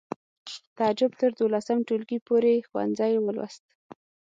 تعجب تر دولسم ټولګي پورې ښوونځی ولوست